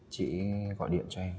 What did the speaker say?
chị gọi điện cho em